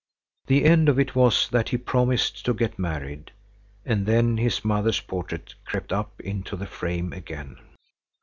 The end of it was that he promised to get married. And then his mother's portrait crept up into the frame again.